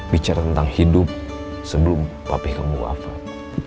bicara tentang hidup sebelum papi kamu wafat